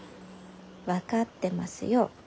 分かってますよ。